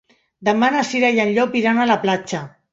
Demà na Cira i en Llop iran a la platja.